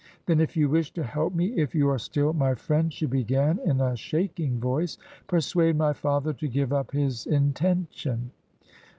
"Then if you wish to help me — if you are still my friend," she began, in a shaking voice, "persuade my father to give up his intention."